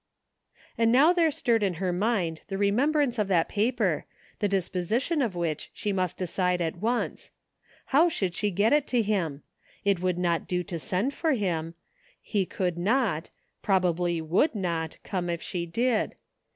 And now there stirred in her mind the remembrance of that paper, the disposition of which she must decide at once. How should she get it to him? It would 162 THE FINDING OF JASPER HOLT not do to send for him. He could not, probably would not, come if she did.